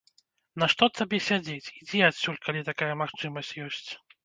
Нашто табе сядзець, ідзі адсюль, калі такая магчымасць ёсць.